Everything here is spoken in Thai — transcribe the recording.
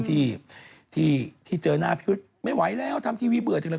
ที่ที่เจอหน้าพี่ยุทธ์ไม่ไหวแล้วทำทีวีเบื่อจังเลย